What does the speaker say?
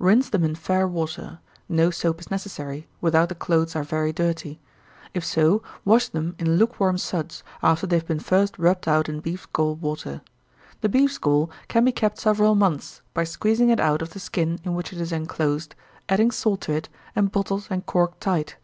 Rinse them in fair water no soap is necessary, without the clothes are very dirty. If so, wash them in lukewarm suds, after they have been first rubbed out in beef's gall water. The beef's gall can be kept several months, by squeezing it out of the skin in which it is enclosed, adding salt to it, and bottled and corked tight.